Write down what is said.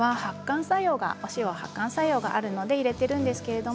お塩は発汗作用があるので入れています。